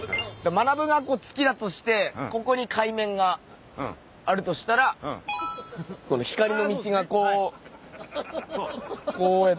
まなぶが月だとしてここに海面があるとしたらこの光の道がこうこう。